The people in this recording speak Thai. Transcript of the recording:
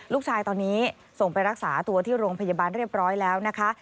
ลูกชายตอนนี้ส่งไปรักษาตัวที่โรงพยาบาลเรียบร้อยแล้วนะคะ